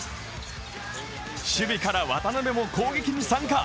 守備から渡邊も攻撃に参加。